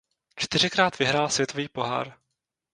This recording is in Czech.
Čtyřikrát vyhrál Světový pohár.